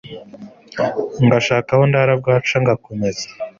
ngashaka aho ndara bwaca nkakomeza